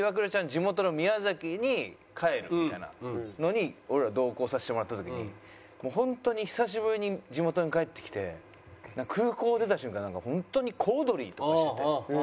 地元の宮崎に帰るみたいなのに俺ら同行させてもらった時に本当に久しぶりに地元に帰ってきて空港出た瞬間なんか本当に小躍りとかしてて。